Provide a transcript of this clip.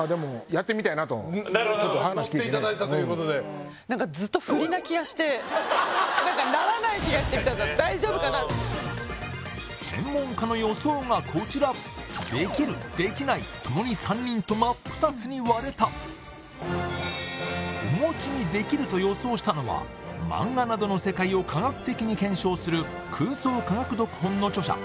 もちろんないちょっと話聞いてねのっていただいたということで何かならない気がしてきちゃった大丈夫かな専門家の予想がこちらできるできないともに３人と真っ二つに割れたお餅にできると予想したのは漫画などの世界を科学的に検証する